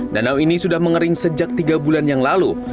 danau ini sudah mengering sejak tiga bulan yang lalu